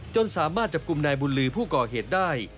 สามารถจับกลุ่มนายบุญลือผู้ก่อเหตุได้